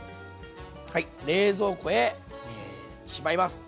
はい冷蔵庫へしまいます。